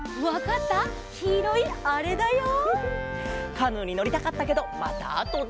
カヌーにのりたかったけどまたあとで。